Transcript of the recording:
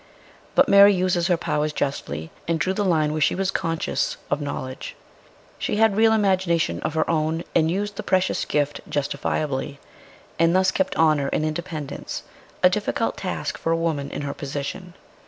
But Mary used her powers justly, and drew the line where she was conscious of knowledge; she had real imagina ITALY REVISITED. 225 tion of her own, and used the precious gift justifiably, and thus kept honour and independence, a difficult task for a woman in her position.